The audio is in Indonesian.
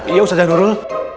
iya ustadzah nurul